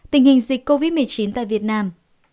tình hình dịch covid một mươi chín tại việt nam